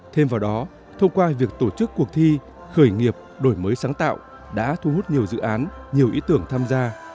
thêm vào đó thông qua việc tổ chức cuộc thi khởi nghiệp đổi mới sáng tạo đã thu hút nhiều dự án nhiều ý tưởng tham gia